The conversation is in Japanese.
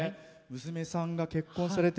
娘さんが結婚されて。